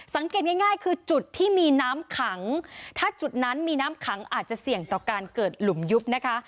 สังเกตง่ายคือจุดที่มีน้ำขังถ้าจุดนั้นมีน้ำขังอาจจะเสี่ยงต่อการเกิดหลุมยุบนะคะ